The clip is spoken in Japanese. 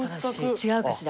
違うかしら？